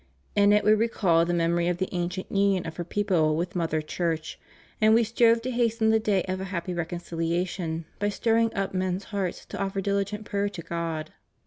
In it We recalled the memory of the ancient imion of her people with Mother Church, and We strove to hasten the day of a happy reconciliation by stirring up men's hearts to offer diUgent prayer to God.